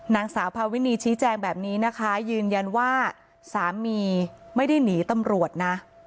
นางสาวพาวินีชี้แจงแบบนี้นะคะยืนยันว่าสามีไม่ได้หนีตำรวจนะ